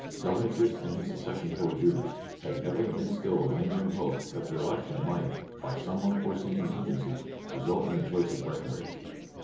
Governor Gist and his secession coadjutors had evidently still a lingering hope that the election might by some unforeseen contingency result in the choice of Breckinridge.